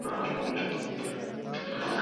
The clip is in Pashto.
هیلې هیڅکله په بشپړ ډول نه پوره کیږي.